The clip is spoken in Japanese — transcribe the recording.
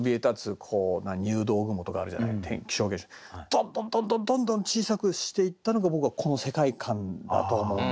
どんどんどんどんどんどん小さくしていったのが僕はこの世界観だと思うんですよね。